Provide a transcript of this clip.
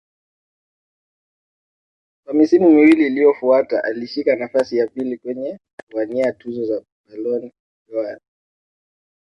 Kwa misimu miwili iliyofuata alishika nafasi ya pili kwenye kuwania tuzo za Ballon dâOr